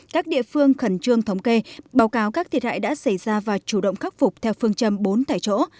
các địa phương khẩn trương thống kê báo cáo các thiệt hại đã xảy ra và chủ động khắc phục theo phương châm bốn tại chỗ